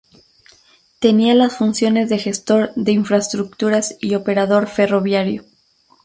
Tenía las funciones de gestor de infraestructuras y operador ferroviario.